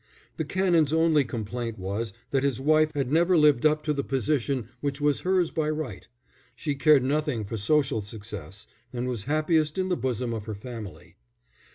The Canon's only complaint was that his wife had never lived up to the position which was hers by right. She cared nothing for social success, and was happiest in the bosom of her family.